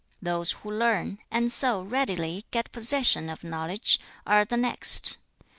Those who learn, and so, readily, get possession of knowledge, are the next.